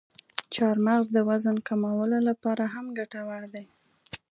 چارمغز د وزن کمولو لپاره هم ګټور دی.